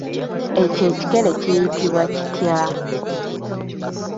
Ekyo ekikere kiyitibwa kitya?